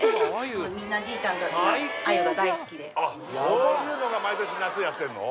そういうのが毎年夏やってんの？